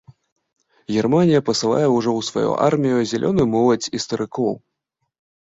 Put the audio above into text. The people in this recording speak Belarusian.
Германія пасылае ўжо ў сваю армію зялёную моладзь і старыкоў.